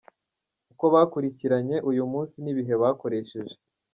Uko bakurikiranye uyu munsi n’ibihe bakoresheje:.